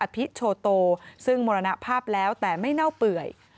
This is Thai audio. พิโชโตซึ่งมรณภาพแล้วแต่ไม่เน่าเปื่อย